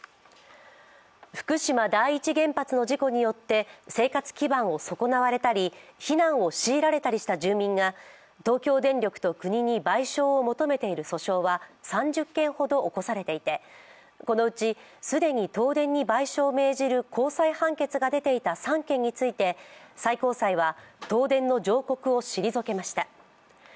福島第一原発の事故によって生活基盤を損なわれたり避難を強いられたりした住民が東京電力と国に賠償を求めている訴訟は３０件ほど起こされていてこのうち既に東電に賠償を命じる高裁判決が出ていた３件について最高裁は東電の上告を退けました。